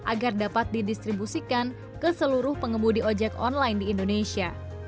agar dapat didistribusikan ke seluruh pengemudi ojek online di indonesia